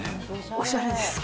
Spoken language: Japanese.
おしゃれですか？